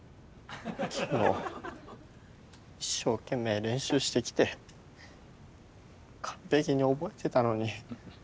昨日一生懸命練習してきて完璧に覚えてたのに。